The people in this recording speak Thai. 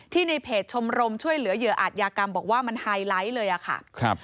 ในเพจชมรมช่วยเหลือเหยื่ออาจยากรรมบอกว่ามันไฮไลท์เลยอะค่ะ